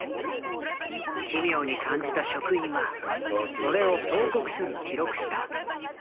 奇妙に感じた職員はそれを報告書に記録した。